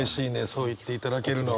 そう言っていただけるのは。